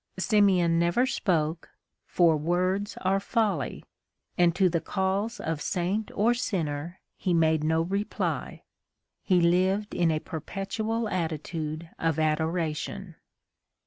Simeon never spoke, for words are folly, and to the calls of saint or sinner he made no reply. He lived in a perpetual attitude of adoration.